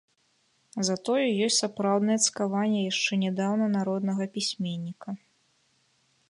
Затое ёсць сапраўднае цкаванне яшчэ нядаўна народнага пісьменніка.